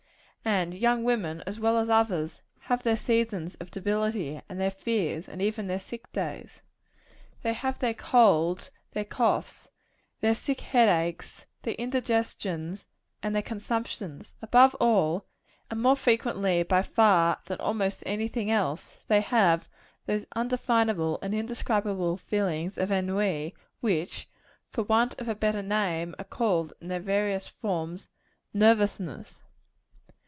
And young women, as well as others, have their seasons of debility, and their fears, and even their sick days. They have their colds, their coughs, their sick headaches, their indigestions, and their consumptions. Above all and more frequently by far than almost any thing else they have those undefinable and indescribable feelings of ennui, which, for want of a better name, are called, in their various forms, "nervousness."